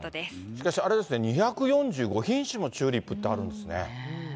しかしあれですね、２４５品種もチューリップってあるんですね。